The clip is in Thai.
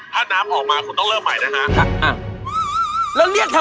ถ้าน้ำออกมาคุณต้องเริ่มใหม่เชฟ